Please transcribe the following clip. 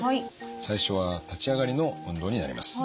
最初は立ち上がりの運動になります。